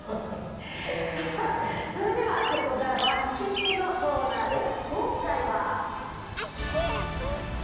それでは、ここからは行きつけのコーナーです。